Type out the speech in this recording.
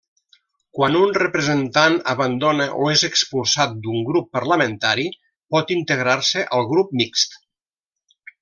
Quan un representant abandona o és expulsat d'un grup parlamentari pot integrar-se al Grup Mixt.